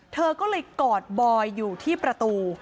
เธอก็เลยกอดบอยอยู่ที่ประตู